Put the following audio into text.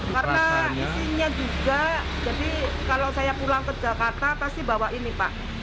karena isinya juga jadi kalau saya pulang ke jakarta pasti bawa ini pak